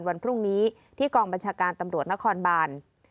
วันพรุ่งนี้ที่กองบัญชาการตำรวจนครบาน